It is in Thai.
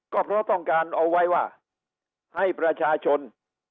ก็เพราะต้องการเอาไว้ว่าให้ประชาชน